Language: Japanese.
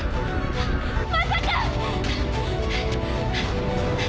まさかっ！